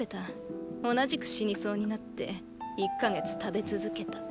同じく死にそうになって一か月食べ続けた。